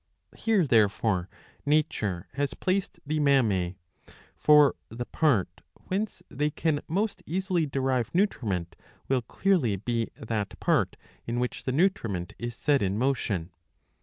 Here therefore nature hag placed the mammae. For the part whence they can most easily derive nutriment will clearly be that part in which the nutriment is set in motion.